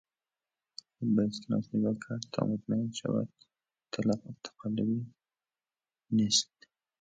خوب به اسکناس نگاه کرد تا مطمئن شود که تقلبی نیست.